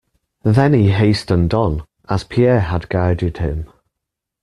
Then he hastened on, as Pierre had guided him.